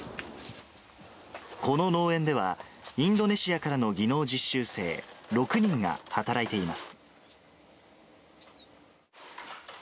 この農園では、インドネシアからの技能実習生６人が働いています。